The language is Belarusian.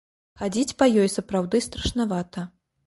Хадзіць па ёй сапраўды страшнавата.